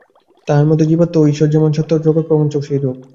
তাঁহার মতে জীবাত্মা ও ঈশ্বর যেমন সত্য, জগৎপ্রপঞ্চও সেইরূপ।